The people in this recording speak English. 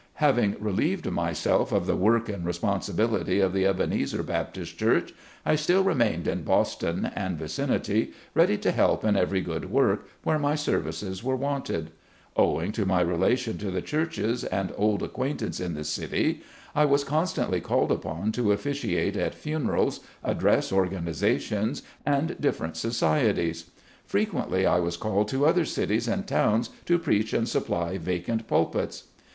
Having relieved myself of the work and respon sibility of the Ebenezer Baptist Church, I still remained in Boston and vicinity, ready to help in every good work, where my services were wanted. Owing to my relation to the churches and old acquaintance in the city, I was constantly called upon to officiate at funerals, address organizations, and different societies. Frequently I was called to other cities and towns to preach and supply vacant pulpits.